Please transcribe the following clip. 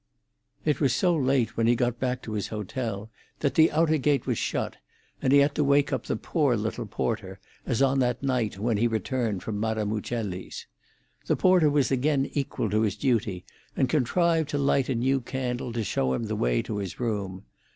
It was so late when he got back to his hotel that the outer gate was shut, and he had to wake up the poor little porter, as on that night when he returned from Madame Uccelli's. The porter was again equal to his duty, and contrived to light a new candle to show him the way to his room.